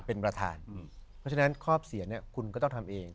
เพราะฉะนั้นครอบเสียนเนี่ยคุณก็ต้องทำเอง